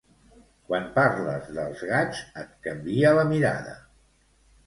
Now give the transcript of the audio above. Quan parles dels gats et canvia la mirada.